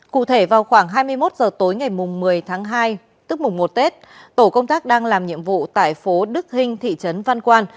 cụ thể vào khoảng hai mươi một h tối ngày một mươi tháng hai tức mùng một tết tổ công tác đang làm nhiệm vụ tại phố đức hinh thị trấn văn quan